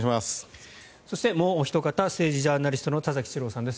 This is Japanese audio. そしてもうおひと方政治ジャーナリストの田崎史郎さんです。